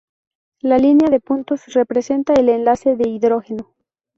La línea de puntos representa el enlace de hidrógeno.